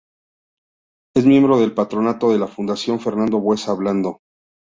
Es miembro del Patronato de la Fundación Fernando Buesa Blanco.